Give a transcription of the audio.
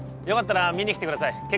よかったら見に来てください。